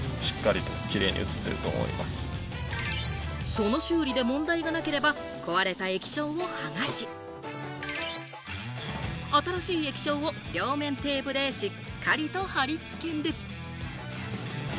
その修理で問題がなければ壊れた液晶を剥がし、新しい液晶を両面テープでしっかりと貼り付ける。